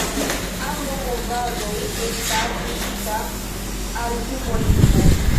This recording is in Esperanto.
Ambaŭ movadoj estas ligita al simbolismo.